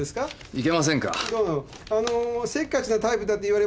いけませんか？